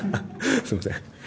すみません。